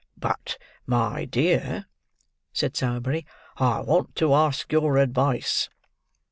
"But, my dear," said Sowerberry, "I want to ask your advice."